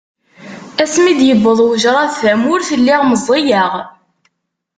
Asmi d-yewweḍ wejraḍ tamurt, lliɣ meẓẓiyeɣ.